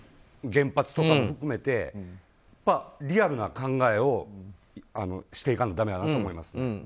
原発とかも含めてリアルな考えをしていかんとだめやなと思いますね。